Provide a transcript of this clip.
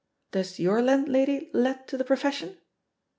Does your landlady let to the profession?